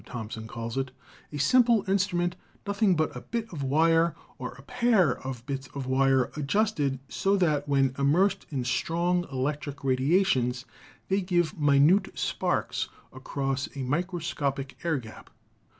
Thompson calls it — a simple instrument, "nothing but a bit of wire or a pair of bits of wire adjusted so that when immersed in strong electric radiations they give mi nute sparks across a microscopic air gap."